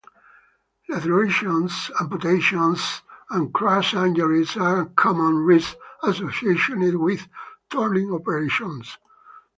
Lacerations, amputations, and crush injuries are common risks associated with turning operations.